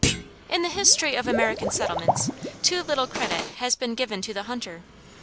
In the history of American settlements too little credit has been given to the hunter.